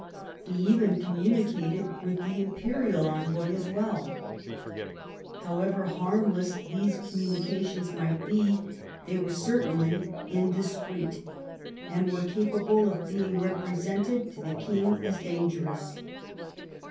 He even communicated with the imperial envoy as well How ever harmless these communications might be, they were certainly indiscreet, and were capable of being represented to the king as dangerous.